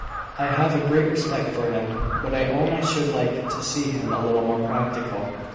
I have a great respect for him; but I own I should like to see him a little more practical."